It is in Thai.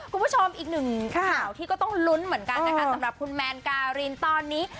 คุณผู้ชมอีกหนึ่งข่าวที่ก็ต้องลุ้นเหมือนกันนะคะสำหรับคุณแมนการินตอนนี้